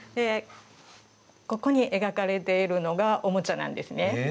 ここに描かれているのがおもちゃなんですね。